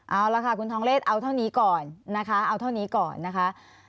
เอาละค่ะคุณทองเลสเอาเท่านี้ก่อนนะคะ